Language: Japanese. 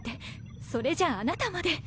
それじゃあなたまで！